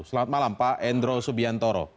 selamat malam pak endro subiantoro